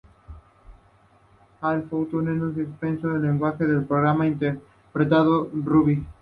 Hal Fulton es un experto en lenguaje de programación interpretado Ruby.